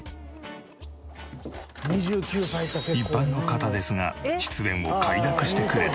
一般の方ですが出演を快諾してくれた。